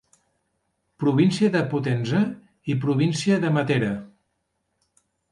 Província de Potenza i Província de Matera.